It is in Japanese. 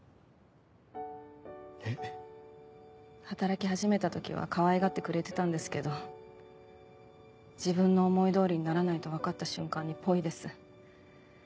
働き始めた時はかわいがってくれてたんですけど自分の思い通りにならないと分かった瞬間にポイです。